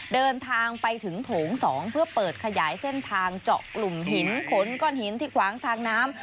เดินทางไปถึงโถง๒เพื่อเปิดขยายเส้นทางเจาะกลุ่มหินขนก้อนหินที่ขวางทางน้ำ